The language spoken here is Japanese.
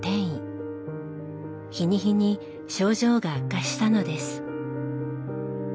日に日に症状が悪化したのです。